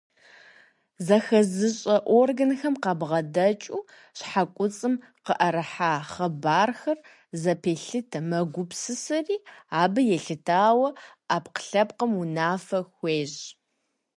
Зыхэзыщӏэ органхэм къабгъэдэкӏыу щхьэкуцӏым къыӏэрыхьа хъыбархэр зэпелъытэ, мэгупсысэри, абы елъытауэ ӏэпкълъэпкъым унафэ хуещӏ.